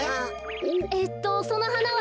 えっとそのはなは。